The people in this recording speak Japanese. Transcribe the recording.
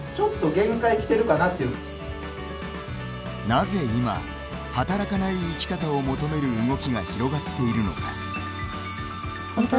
なぜ今、働かない生き方を求める動きが広がっているのか。